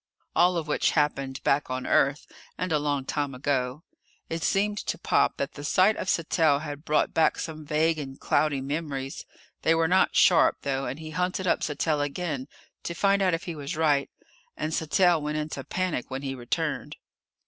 All of which happened back on Earth and a long time ago. It seemed to Pop that the sight of Sattell had brought back some vague and cloudy memories. They were not sharp, though, and he hunted up Sattell again to find out if he was right. And Sattell went into panic when he returned.